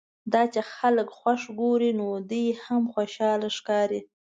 دا چې خلک خوښ ګوري نو دی هم خوشاله ښکاري.